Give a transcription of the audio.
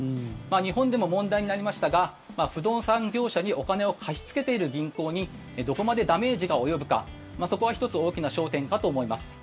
日本でも問題になりましたが不動産業者にお金を貸しつけている銀行にどこまでダメージが及ぶかそこは１つ大きな焦点かと思います。